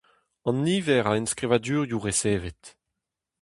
An niver a enskrivadurioù resevet.